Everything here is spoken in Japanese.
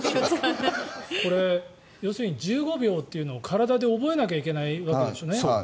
これ、要するに１５秒というのを体で覚えなきゃいけないわけでしょ。